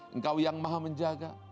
engkau yang maha menjaga